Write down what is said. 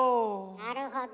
なるほど。